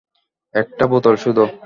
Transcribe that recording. একটা বোতল শুধু।